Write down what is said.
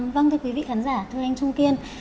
vâng thưa quý vị khán giả thưa anh trung kiên